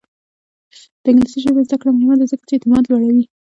د انګلیسي ژبې زده کړه مهمه ده ځکه چې اعتماد لوړوي.